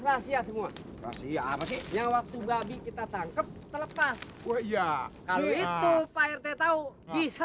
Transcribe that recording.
rahasia semua rahasia apa sih yang waktu babi kita tangkep terlepas oh iya kalau itu pak rt tahu bisa